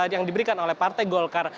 yang diberikan oleh partai golkar